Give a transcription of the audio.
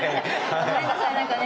ごめんなさいなんかね。